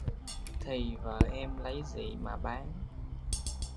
Thì vợ Em lấy gì mà bán